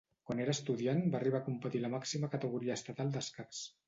Quan era estudiant, va arribar a competir a la màxima categoria estatal d'escacs.